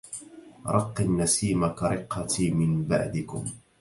رق النسيم كرقتى من بعدكم